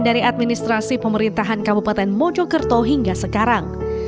dari administrasi pemerintahan kabupaten mojokerto hingga sekarang